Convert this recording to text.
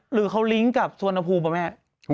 หรือเขาลิงก์กับสวนภูมิเหรอแม่